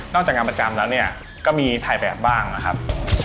จากงานประจำแล้วเนี่ยก็มีถ่ายแบบบ้างนะครับ